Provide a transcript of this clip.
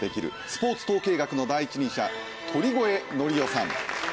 スポーツ統計学の第一人者鳥越規央さん。